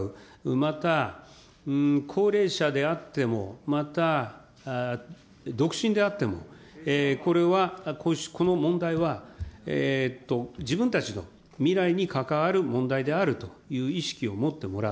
また高齢者であっても、また独身であっても、これは、この問題は、自分たちの未来に関わる問題であるという意識を持ってもらう。